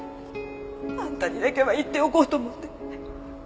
あんたにだけは言っておこうと思って。